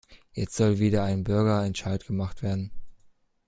Jetzt soll wieder ein Bürgerentscheid gemacht werden.